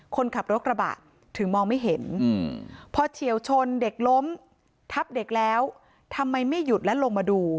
คนขับรถกระบะถึงมองไม่เห็นพอเฉียวชนเด็กล้มทับเด็กแล้วทำไมไม่หยุดและลงมาดู